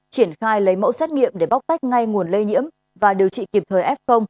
triển khai lấy mẫu xét nghiệm để bóc tách ngay nguồn lây nhiễm và điều trị kịp thời f